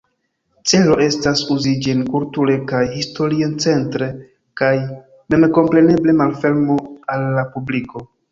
Celo estas uzi ĝin kulture kaj historicentre kaj memkompreneble malfermo al la publiko.